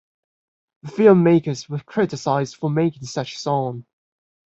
The filmmakers were criticized for making such song.